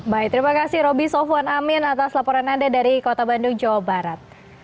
baik terima kasih roby sofwan amin atas laporan anda dari kota bandung jawa barat